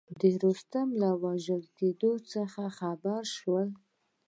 د رستم له وژل کېدلو څخه خبر شول.